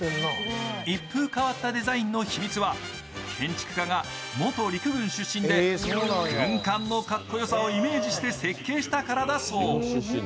一風変わったデザインの秘密は建築家が元陸軍出身で軍艦のかっこよさをイメージして設計したからだそう。